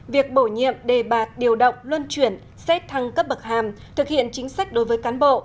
việc bổ nhiệm đề bạt điều động luân chuyển xét thăng cấp bậc hàm thực hiện chính sách đối với cán bộ